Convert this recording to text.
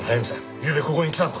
ゆうべここに来たのか？